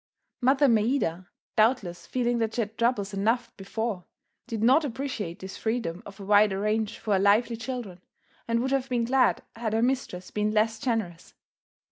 Mother Maida, doubtless feeling that she had troubles enough before, did not appreciate this freedom of a wider range for her lively children, and would have been glad had her mistress been less generous.